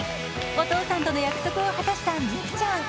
お父さんとの約束を果たした美空ちゃん。